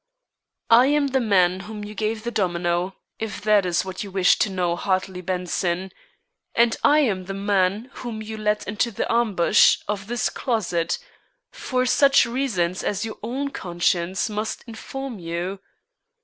"I am the man to whom you gave the domino, if that is what you wish to know, Hartley Benson; and I am the man whom you led into the ambush of this closet, for such reasons as your own conscience must inform you.